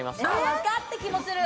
分かった気もする！